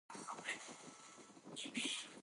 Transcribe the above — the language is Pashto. ازادي راډیو د بانکي نظام اړوند شکایتونه راپور کړي.